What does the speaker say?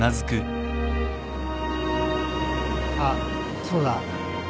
あっそうだ。